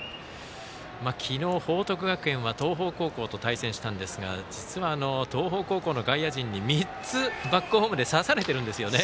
昨日、報徳学園は東邦高校と対戦したんですが実は東邦高校の外野陣に３つバックホームで刺されてるんですよね。